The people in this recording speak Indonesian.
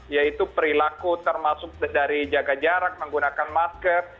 yaitu perilaku termasuk dari jaga jarak menggunakan masker